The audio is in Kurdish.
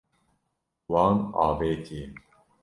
Wan avêtiye.